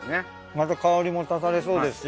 また香りも足されそうですし